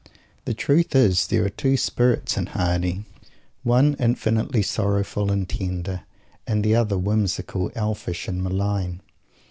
The truth is, there are two spirits in Mr. Hardy, one infinitely sorrowful and tender, the other whimsical, elfish and malign.